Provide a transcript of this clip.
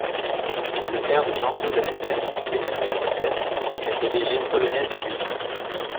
Le père de Jean Claude Ameisen, Emanuel Ameisen, est d'origine polonaise et juive.